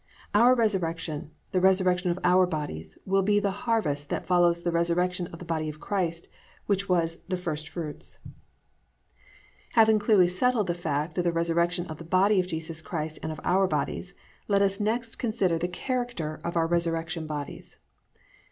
"+ Our resurrection, the resurrection of our bodies, will be the harvest that follows the resurrection of the body of Christ, which was "the first fruits." II. THE CHARACTER OF OUR RESURRECTION BODIES Having clearly settled the fact of the resurrection of the body of Jesus Christ and of our bodies, let us next consider the character of our resurrection bodies.